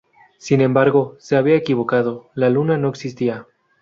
Sin embargo, se había equivocado: la luna no existía.